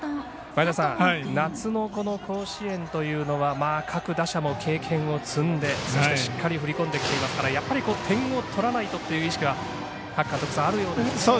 夏の甲子園というのは各打者も経験を積んでそしてしっかり振り込んできていますから点を取らないとという意識はあるようですね。